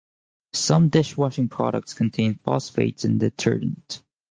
Some dishwashing products contain phosphates in detergent.